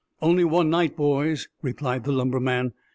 "Only one night, boys," replied the lumberman.